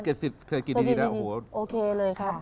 เศรษฐกิจดีโอเคเลยค่ะ